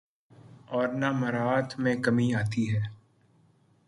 اورنہ مراعات میں کمی آتی ہے۔